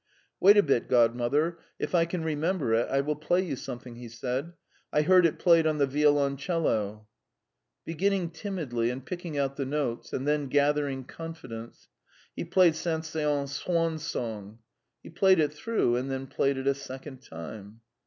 "Wait a bit, Godmother; if I can remember it, I will play you something," he said; "I heard it played on the violoncello." Beginning timidly and picking out the notes, and then gathering confidence, he played Saint Saens's "Swan Song." He played it through, and then played it a second time.